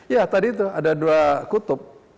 ya tadi itu ada dua kutub